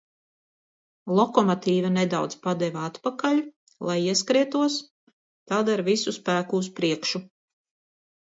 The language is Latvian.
Lokomotīve nedaudz padeva atpakaļ, lai ieskrietos, tad ar visu spēku uz priekšu.